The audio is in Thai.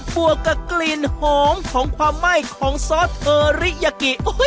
วกกับกลิ่นหอมของความไหม้ของซอสเทอริยากิ